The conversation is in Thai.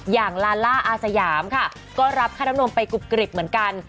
ลาล่าอาสยามค่ะก็รับค่าน้ำนมไปกรุบกริบเหมือนกัน